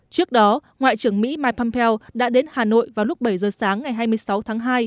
trước đó ngoại trưởng mỹ mike pompeo đã đến hà nội vào lúc bảy giờ sáng ngày hai mươi sáu tháng hai